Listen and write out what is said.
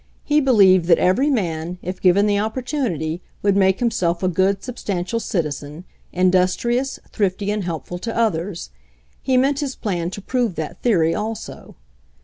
He believed that every man, if given the opportunity, would make himself a good, substantial citizen, industrious, thrifty and helpful to others. He meant his plan to prove that theory also.